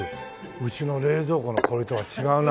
うちの冷蔵庫の氷とは違うな。